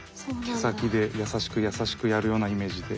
毛先で優しく優しくやるようなイメージで。